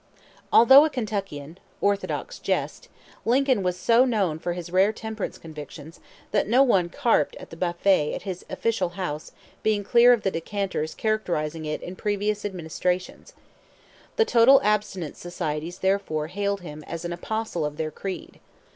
Although a Kentuckian orthodox jest Lincoln was so known for his rare temperance convictions that no one carped at the buffet at his official house being clear of the decanters characterizing it in previous administrations. The total abstinence societies therefore hailed him as an apostle of their creed.